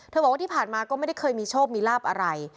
บอกว่าที่ผ่านมาก็ไม่ได้เคยมีโชคมีลาบอะไร